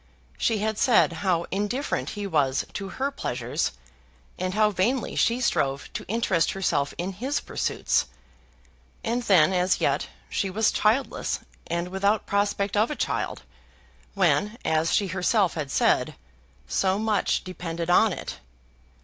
She had said how indifferent he was to her pleasures, and how vainly she strove to interest herself in his pursuits. And then, as yet, she was childless and without prospect of a child, when, as she herself had said, "so much depended on it."